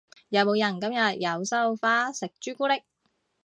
有冇人今日有收花食朱古力？